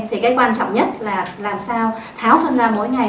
thứ nhất là làm sao tháo phân ra mỗi ngày